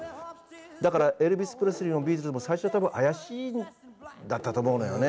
だからエルヴィス・プレスリーもビートルズも最初は多分あやしいんだったと思うのよね。